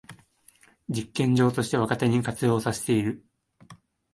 実験場として若手に活用させている